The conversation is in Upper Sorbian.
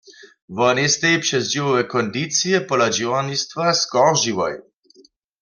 Wonej stej přez dźěłowe kondicije pola dźěłarnistwa skoržiłoj.